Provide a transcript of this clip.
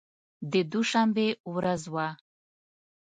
د دوشنبې ورځ وه.